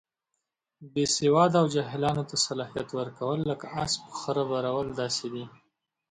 بې سواده او جاهلانو ته صلاحیت ورکول، لکه اس په خره بارول داسې دي.